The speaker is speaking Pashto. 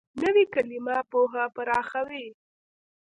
نوې کلیمه پوهه پراخوي